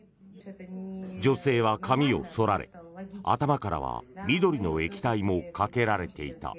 女性は髪を剃られ頭からは緑の液体もかけられていた。